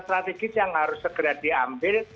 strategis yang harus segera diambil